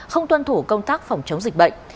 không tuân thủ công tác phòng chống dịch bệnh